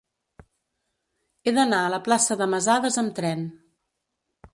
He d'anar a la plaça de Masadas amb tren.